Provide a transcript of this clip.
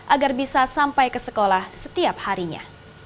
agar bisa sampai ke sekolah setiap harinya